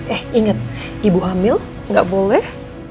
eh inget ibu hamil nggak boleh